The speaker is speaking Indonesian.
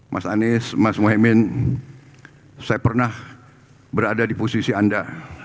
mas anies mas mohaimin saya pernah berada di posisi anda